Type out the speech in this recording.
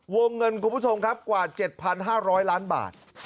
วงเงินคุณผู้ชมครับกว่า๗๕๐๐ล้านบาท